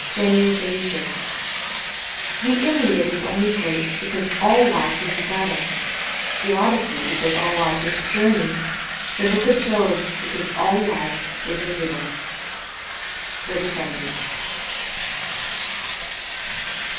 31 JANUARY 31st THE * Iliad ' is only great because all life is a battle, the ' Odyssey ' because all life is a journey, the Book of Job because all life is a riddle. * 'I he Defendant.'